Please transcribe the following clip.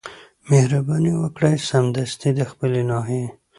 مهرباني وکړئ سمدستي د خپلي ناحيې